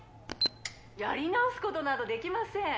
「やり直す事などできません」